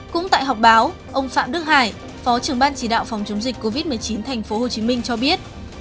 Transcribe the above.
cũng tại họp báo ông phạm đức hải phó trưởng ban chỉ đạo phòng chống dịch covid một mươi chín tp hcm cho biết